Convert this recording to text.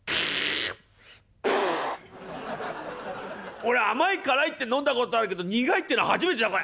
「俺甘い辛いって飲んだ事あるけど苦いってのは初めてだこれ。